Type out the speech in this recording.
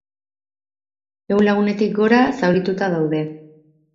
Ehun lagunetik gora zaurituta daude.